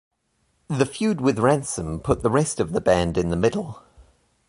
The feud with Ransom put the rest of the band in the middle.